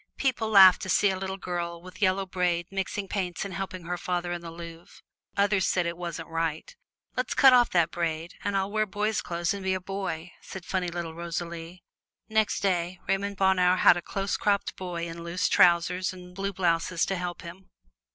People laughed to see a little girl with yellow braid mixing paints and helping her father in the Louvre; others said it wasn't right. "Let's cut off the braid, and I'll wear boy's clothes and be a boy," said funny little Rosalie. Next day, Raymond Bonheur had a close cropped boy in loose trousers and blue blouse to help him.